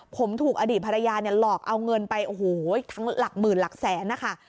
ผมถูกอดีตภรรยาเนี่ยหลอกเอาเงินไปโอ้โหทั้งหลักหมื่นหลักแสนนะคะ